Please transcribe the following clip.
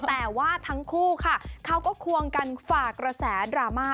แต่ว่าทั้งคู่ค่ะเขาก็ควงกันฝากกระแสดราม่า